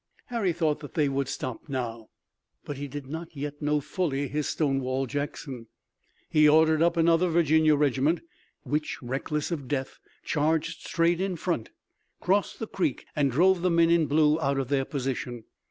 Harry thought that they would stop now, but he did not yet know fully his Stonewall Jackson. He ordered up another Virginia regiment, which, reckless of death, charged straight in front, crossed the creek and drove the men in blue out of their position.